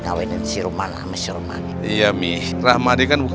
gawinin si rumah sama si rumahnya iya mih rahmadi kan bukan